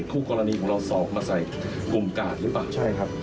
คู่กรณีของเราสอบมาใส่กลุ่มกาดหรือเปล่าใช่ครับ